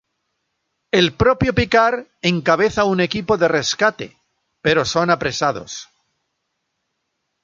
El propio Picard encabeza un equipo de rescate, pero son apresados.